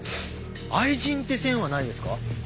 愛人って線はないですか？